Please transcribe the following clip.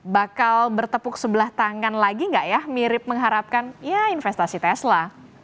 bakal bertepuk sebelah tangan lagi nggak ya mirip mengharapkan ya investasi tesla